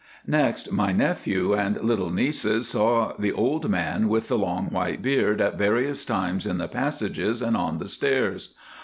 "Next my nephew and little nieces saw the old man with the long white beard at various times in the passages and on the stairs.